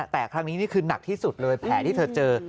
แต่ครั้งนี้นี่คือหนักที่สุดเลยแผลที่เธอเจอ